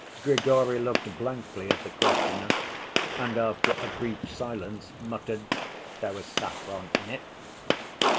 Grigory looked blankly at the questioner, and after a brief silence muttered, "There was saffron in it."